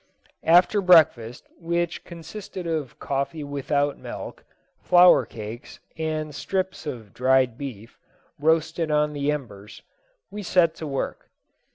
After breakfast, which consisted of coffee without milk, flour cakes, and strips of dried beef, roasted on the embers, we set to work.